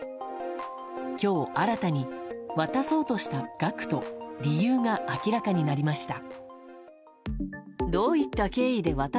今日、新たに渡そうとした額と理由が明らかになりました。